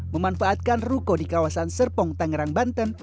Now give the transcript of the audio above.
memanfaatkan ruko di kawasan serpong tangerang banten